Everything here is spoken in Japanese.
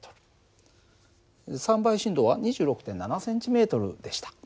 ３倍振動は２６．７ｃｍでした。